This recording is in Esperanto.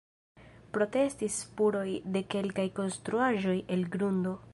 Postrestis spuroj de kelkaj konstruaĵoj el grundo.